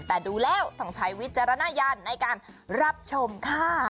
แต่ดูแล้วต้องใช้วิจารณญาณในการรับชมค่ะ